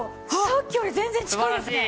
さっきより全然近いですね。